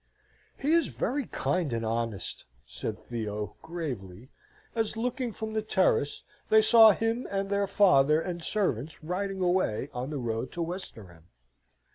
"He is very kind and honest," said Theo, gravely, as, looking from the terrace, they saw him and their father and servants riding away on the road to Westerham.